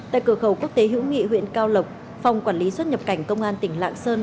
tại cửa khẩu quốc tế hữu nghị huyện cao lộc phòng quản lý xuất nhập cảnh công an tỉnh lạng sơn